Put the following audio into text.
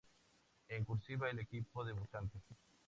En "cursiva", el equipo debutante.